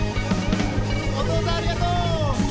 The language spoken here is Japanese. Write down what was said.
お父さんありがとう！